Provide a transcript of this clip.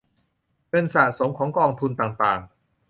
เงินสะสมของกองทุนต่างต่าง